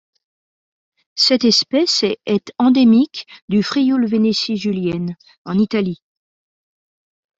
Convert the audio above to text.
Cette espèce est endémique du Frioul-Vénétie julienne en Italie.